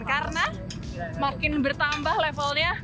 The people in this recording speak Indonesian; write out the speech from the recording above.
karena makin bertambah levelnya